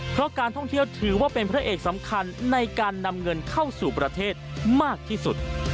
เพราะการท่องเที่ยวถือว่าเป็นพระเอกสำคัญในการนำเงินเข้าสู่ประเทศมากที่สุด